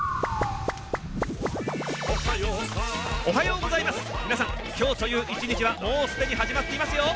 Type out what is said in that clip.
おはようございます。